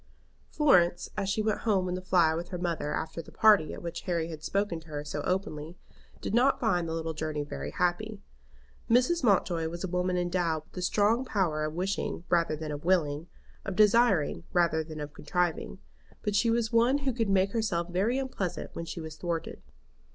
Florence, as she went home in the fly with her mother after the party at which Harry had spoken to her so openly, did not find the little journey very happy. Mrs. Mountjoy was a woman endowed with a strong power of wishing rather than of willing, of desiring rather than of contriving; but she was one who could make herself very unpleasant when she was thwarted.